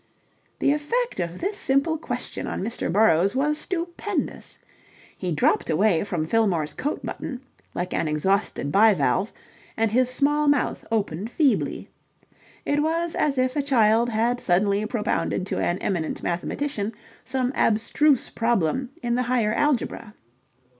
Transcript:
The effect of this simple question on Mr. Burrowes was stupendous. He dropped away from Fillmore's coat button like an exhausted bivalve, and his small mouth opened feebly. It was as if a child had suddenly propounded to an eminent mathematician some abstruse problem in the higher algebra.